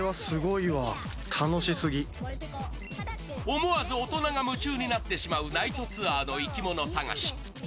思わず大人が夢中になってしまうナイトツアーの生き物探し。